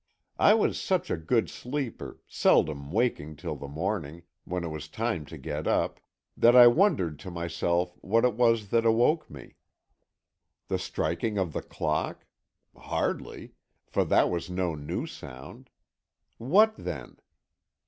"I was such a good sleeper seldom waking till the morning, when it was time to get up that I wondered to myself what it was that awoke me. The striking of the clock? Hardly for that was no new sound. What, then?